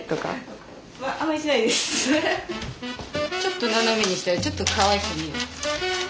ちょっと斜めにしたらちょっとかわいく見える。